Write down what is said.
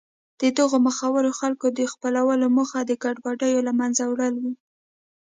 د دغو مخورو خلکو د خپلولو موخه د ګډوډیو له منځه وړل و.